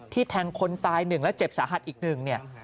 แทงคนตาย๑และเจ็บสาหัสอีกหนึ่งเนี่ย